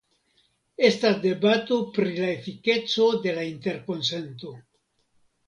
Estas debato pri la efikeco de la interkonsento.